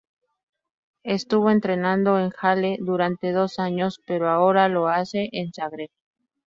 Estuvo entrenando en Halle durante dos años, pero ahora lo hace en Zagreb.